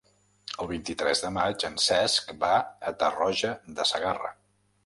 El vint-i-tres de maig en Cesc va a Tarroja de Segarra.